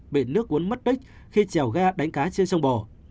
bị nước cuốn mất tích khi chèo ghe đánh cá trên sông bồ